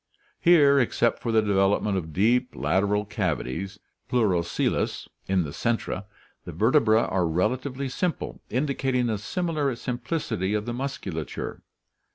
Here, except for the development of deep lateral cavities (pleurocoeles) in the centra, the vertebra are relatively simple, indicating a similar simplicity of the muscula ture.